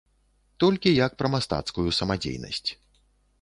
Толькі як пра мастацкую самадзейнасць.